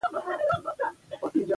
پیسې د ژوند چارې پر مخ وړي.